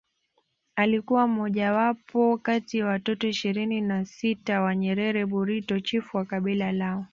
Alikuwa mojawapo kati watoto ishirini na sita wa Nyerere Burito chifu wa kabila lao